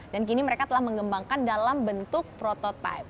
dan kini mereka telah mengembangkan dalam bentuk prototipe